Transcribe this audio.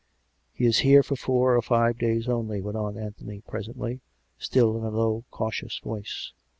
" He is here for four or five days only," went on Anthony presently, still in a low, cautious voice.